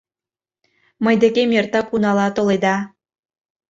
Мый декем эртак унала толеда...